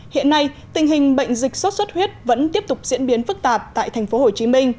hiện nay tình hình bệnh dịch sốt xuất huyết vẫn tiếp tục diễn biến phức tạp tại tp hcm